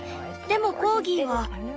でもコーギーは」。